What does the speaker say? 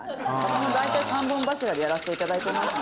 この大体３本柱でやらせていただいてますので。